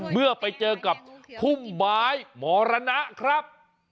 เมื่อไปเจอกับพุ่มไม้มรณะครับ